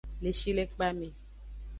Le shilekpa me.